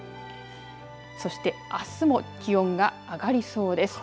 そしてあすも気温が上がりそうです。